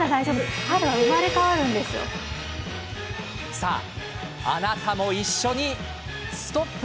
さあ、あなたも一緒にストップ！